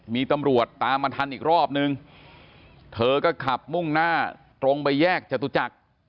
มีตำรวจตามมาทันอีกรอบนึงเธอก็ขับมุ่งหน้าตรงไปแยกจตุจักร